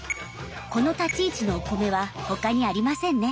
この立ち位置のお米は他にありませんね。